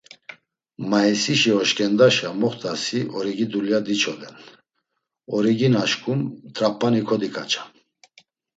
Maisişi oşǩendaşa moxt̆asi origi dulya diçoden, origi naşǩum, darp̌ani kodiǩaçam.